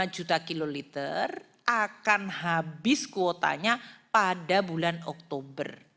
dua puluh tiga lima juta kiloliter akan habis kuotanya pada bulan oktober